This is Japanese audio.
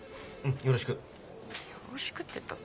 よろしくって言ったって。